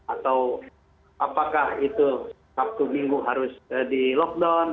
atau apakah itu sabtu minggu harus di lockdown